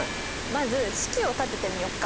まず式を立ててみよっか。